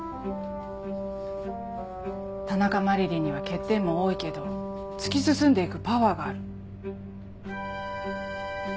田中麻理鈴には欠点も多いけど突き進んで行くパワーがある。